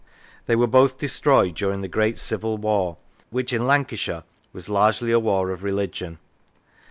They were both destroyed during the great Civil War, which in Lancashire was largely a war of religion.